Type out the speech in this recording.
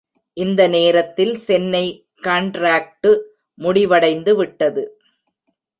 இந்த நேரத்தில் சென்னை கண்ட்ராக்டு முடிவடைந்து விட்டது.